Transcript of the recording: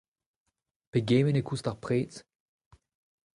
Pegement e koust ar pred ?